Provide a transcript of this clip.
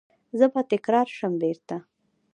زه به تکرار شم بیرته